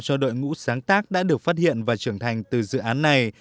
cho đội ngũ sáng tác đã được phát hiện và trưởng thành từ dự án này